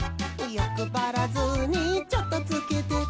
「よくばらずにチョットつけて」